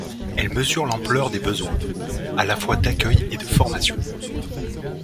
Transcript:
Elle mesure l’ampleur des besoins, à la fois d’accueil et de formation.